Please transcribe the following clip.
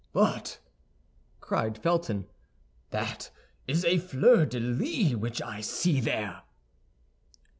"But," cried Felton, "that is a fleur de lis which I see there."